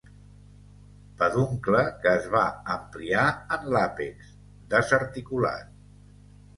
Peduncle que es va ampliar en l'àpex; desarticulat.